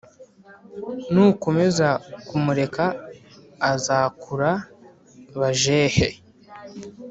Nukomeza kumureka azakura bajehe